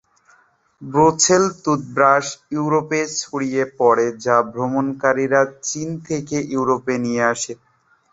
ব্রুসেল toothbrush ইউরোপে ছড়িয়ে পড়ে, যা ভ্রমণকারীরা চীন থেকে ইউরোপে নিয়ে আসে।